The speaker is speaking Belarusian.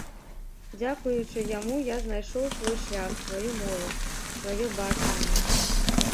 Дзякуючы яму я знайшоў свой шлях, сваю мову, сваё бачанне.